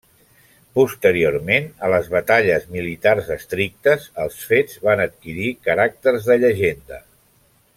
Posteriorment a les batalles militars estrictes, els fets van adquirir caràcters de llegenda.